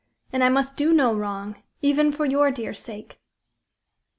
And I must do no wrong, even for your dear sake."